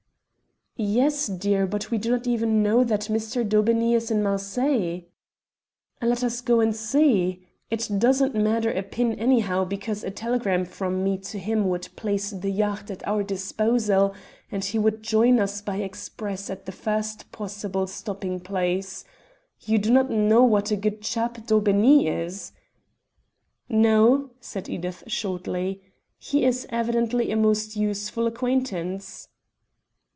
"Yes, dear, but we do not even know that Mr. Daubeney is in Marseilles." "Let us go and see. It doesn't matter a pin anyhow, because a telegram from me to him would place the yacht at our disposal, and he would join us by express at the first possible stopping place. You do not know what a good chap Daubeney is." "No," said Edith shortly. "He is evidently a most useful acquaintance."